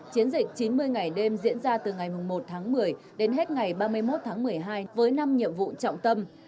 chiến dịch chín mươi ngày đêm diễn ra từ ngày một tháng một mươi đến hết ngày ba mươi một tháng một mươi hai với năm nhiệm vụ trọng tâm